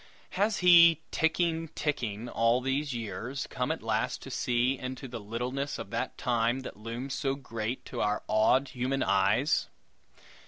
Has he, ticking, ticking, all these years, come at last to see into the littleness of that Time that looms so great to our awed human eyes?